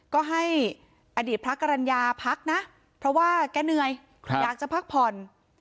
ก็ให้อดีตพระกรรณญาพักนะเพราะว่าแกเหนื่อยอยากจะพักผ่อน